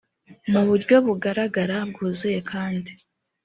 mu buryo bugaragara bwuzuye kandi